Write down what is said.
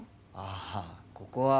ああここは。